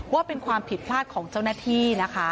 ว่าเป็นความผิดพลาดของเจ้าหน้าที่นะคะ